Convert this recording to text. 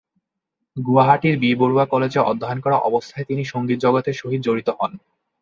গুয়াহাটির বি, বরুয়া কলেজে অধ্যয়ন করা অবস্থায় তিনি সংগীত জগতের সহিত জড়িত হন।